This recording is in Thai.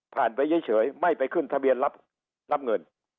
ผ่านไปเฉยเฉยไม่ไปขึ้นทะเบียนรับรับเงิน